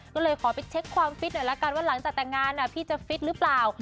ก็เลยขอไปเช็คความฟิตหน่อยละกันว่าหลังจากแต่งงานพี่จะฟิตหรือเปล่า